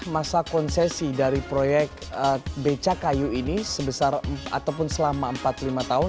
masa konsesi dari proyek beca kayu ini sebesar ataupun selama empat puluh lima tahun